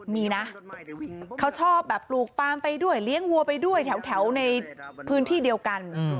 มีนะเขาชอบแบบปลูกปลามไปด้วยเลี้ยงวัวไปด้วยแถวในพื้นที่เดียวกัน